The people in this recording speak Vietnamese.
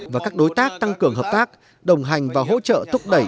và các đối tác tăng cường hợp tác đồng hành và hỗ trợ thúc đẩy